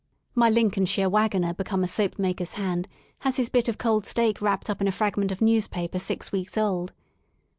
My Lincolnshire waggoner become a soapmaker's hand^ has his bit of cold steak wrapped up in a fragment of newspaper six weeks old.